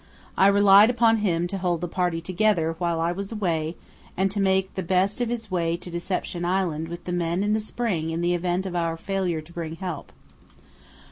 I relied upon him to hold the party together while I was away and to make the best of his way to Deception Island with the men in the spring in the event of our failure to bring help.